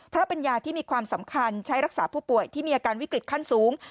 เพราะเป็นยาที่มีความสำคัญใช้รักษาผู้ป่วยที่มีอาการวิกฤตขั้นสูง